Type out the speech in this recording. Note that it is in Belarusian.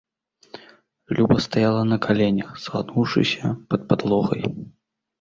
Люба стаяла на каленях, сагнуўшыся, пад падлогай.